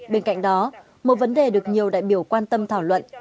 bên cạnh đó một vấn đề được nhiều đại biểu quan tâm thảo luận